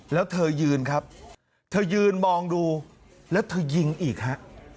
แล้วเธอยืนครับเธอยืนมองดูแล้วเธอยิงอีกฮะ